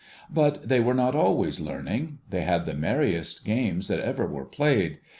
But, they were not always learning ; they had the merriest games that ever were played.